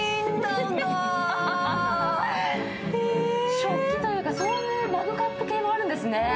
食器というか、そういうマグカップ系もあるんですね。